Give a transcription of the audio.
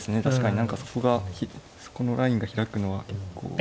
確かに何かそこがそこのラインが開くのは結構。